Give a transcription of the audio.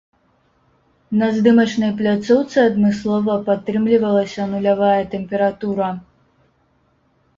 На здымачнай пляцоўцы адмыслова падтрымлівалася нулявая тэмпература.